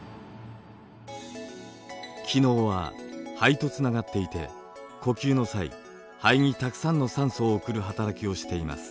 気のうは肺とつながっていて呼吸の際肺にたくさんの酸素を送る働きをしています。